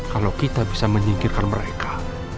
kalau kita bisa menyingkirkan mereka